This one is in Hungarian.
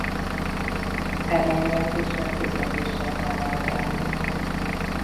Erre a jelzésre fékezéssel kell reagálni.